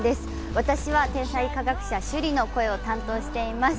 私は天才科学者・シュリの声を担当しています。